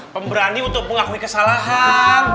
pemberani untuk mengakui kesalahan